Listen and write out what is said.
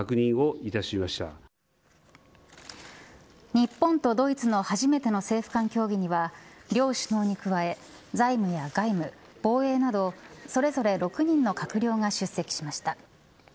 日本とドイツの初めての政府間協議には両首脳に加え、財務や外務防衛など、それぞれ６人の閣僚が出席しました。